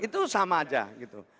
itu sama aja gitu